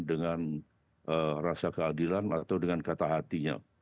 dengan rasa keadilan atau dengan kata hatinya